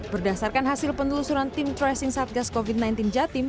berdasarkan hasil penelusuran tim tracing satgas covid sembilan belas jatim